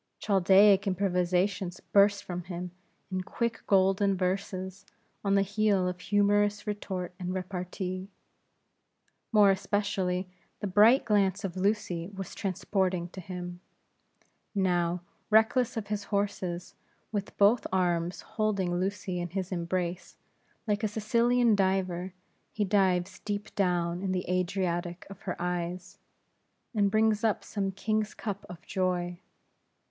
Chaldaic improvisations burst from him, in quick Golden Verses, on the heel of humorous retort and repartee. More especially, the bright glance of Lucy was transporting to him. Now, reckless of his horses, with both arms holding Lucy in his embrace, like a Sicilian diver he dives deep down in the Adriatic of her eyes, and brings up some king's cup of joy.